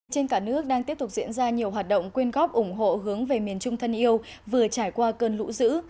trên cả nước đang tiếp tục diễn ra nhiều hoạt động quyên góp ủng hộ hướng về miền trung thân yêu vừa trải qua cơn lũ dữ